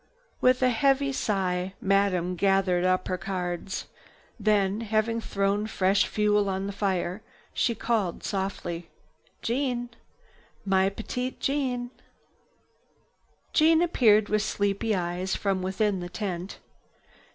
With a heavy high, Madame gathered up her cards. Then, having thrown fresh fuel on the fire, she called softly: "Jeanne! My Petite Jeanne!" Jeanne peered with sleepy eyes from within the tent.